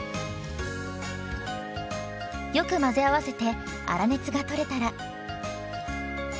よく混ぜ合わせて粗熱がとれたら。